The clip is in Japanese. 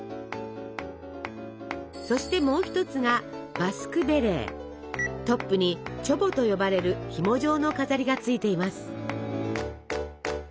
そしてもう一つがトップに「チョボ」と呼ばれるひも状の飾りがついています。